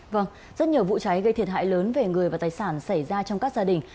vâng rất nhiều vụ cháy gây thiệt hại lớn về người và tài sản xảy ra trong các gia đình